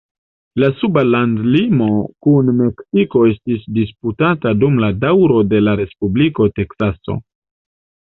La suda landlimo kun Meksiko estis disputata dum la daŭro de la Respubliko Teksaso.